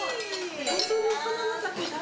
本当のお花畑だ。